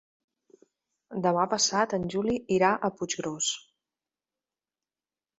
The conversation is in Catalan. Demà passat en Juli irà a Puiggròs.